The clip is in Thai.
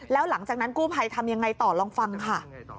แล้วหลังจากนั้นกู้ภัยทำยังไงต่อลองฟังค่ะ